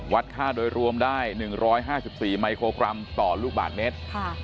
ค่าโดยรวมได้๑๕๔มิโครกรัมต่อลูกบาทเมตร